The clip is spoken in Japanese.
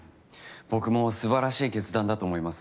僕もすばらしい決断だと思います。